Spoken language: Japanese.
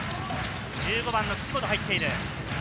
１５番・岸本が入っている。